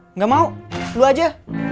nggak mau lo aja